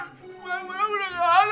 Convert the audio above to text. udah ga ada otong